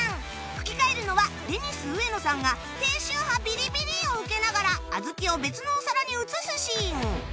吹き替えるのはデニス植野さんが低周波ビリビリを受けながら小豆を別のお皿に移すシーン